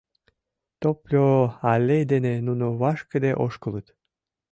Топльо аллей дене нуно вашкыде ошкылыт.